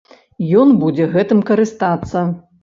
Ён будзе гэтым карыстацца.